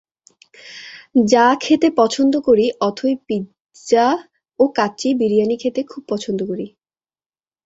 যা খেতে পছন্দ করিঅথই পিৎজা ও কাচ্চি বিরিয়ানি খেতে খুব পছন্দ করি।